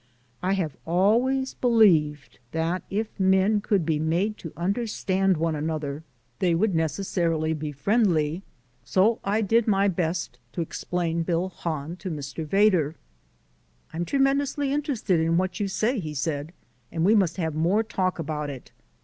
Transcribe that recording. I have always believed that if men could be made to understand one another they would necessarily be friendly, so I did my best to explain Bill Hahn to Mr. Vedder. "I'm tremendously interested in what you say," he said, "and we must have more talk about it."